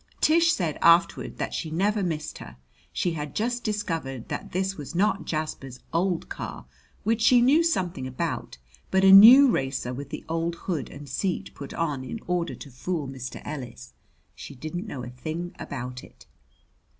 Tish said afterward that she never missed her. She had just discovered that this was not Jasper's old car, which she knew something about, but a new racer with the old hood and seat put on in order to fool Mr. Ellis. She didn't know a thing about it.